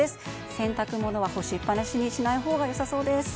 洗濯物は干しっぱなしにしないほうがよさそうです。